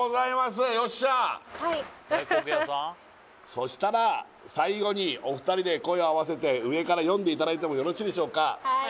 そしたら最後にお二人で声を合わせて上から読んでいただいてもよろしいでしょうか？